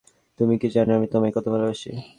তুমি কি জানো আমি তোমায় কত ভালোবাসি?